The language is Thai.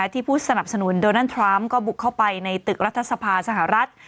ผู้สนับสนุนโดนัลดทรัมป์ก็บุกเข้าไปในตึกรัฐสภาสหรัฐ